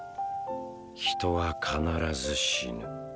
人は必ず死ぬ。